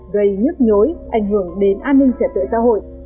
gây nhức nhối ảnh hưởng đến an ninh trẻ tuổi xã hội